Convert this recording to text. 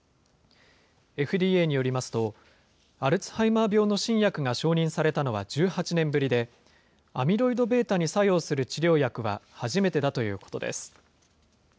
ＦＤＡによりますと、アルツハイマー病の新薬が承認されたのは１８年ぶりで、アミロイドβに作用する治療薬は初めてだということです。